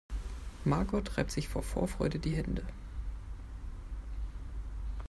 Margot reibt sich vor Vorfreude die Hände.